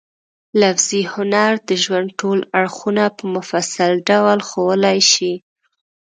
لفظي هنر د ژوند ټول اړخونه په مفصل ډول ښوولای شي.